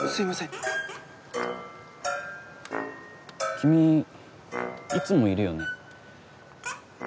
君いつもいるよね。